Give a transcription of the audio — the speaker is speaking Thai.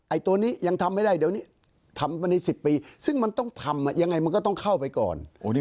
ตัวนี้ยังทำไม่ได้เดี๋ยวนี้ทำไปใน๑๐ปีซึ่งมันต้องทำยังไงมันก็ต้องเข้าไปก่อน